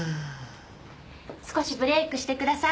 少しブレイクしてください。